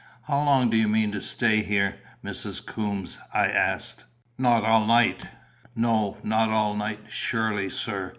"How long do you mean to stay here, Mrs. Coombes?" I asked. "Not all night?" "No, not all night, surely, sir.